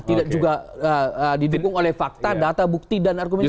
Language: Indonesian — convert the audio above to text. tidak juga didukung oleh fakta data bukti dan argumentasi